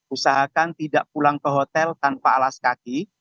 usahakan tidak pulang ke hotel tanpa alas kaki